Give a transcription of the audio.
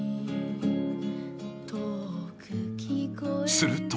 ［すると］